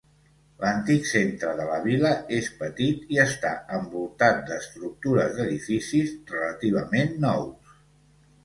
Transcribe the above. L'antic centre de la vila és petit i està envoltat d'estructures d'edificis relativament nous.